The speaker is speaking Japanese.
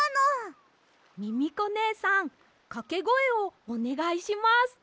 ミミコねえさんかけごえをおねがいします。